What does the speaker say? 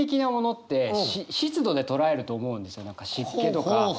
何か湿気とか。